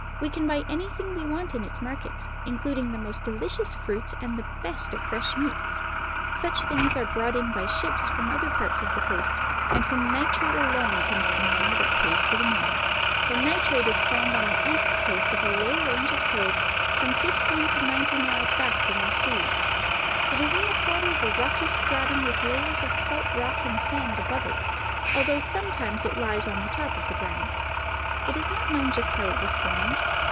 We can buy anything we want in its markets, including the most delicious fruits and the best of fresh meats. Such things are brought in by ships from other parts of the coast, and from nitrate alone comes the money that pays for them all. The nitrate is found on the east side of a low range of hills from fifteen to ninety miles back from the sea. It is in the form of a rocky stratum with layers of salt rock and sand above it, although sometimes it lies on the top of the ground. It is not known just how it was. formed.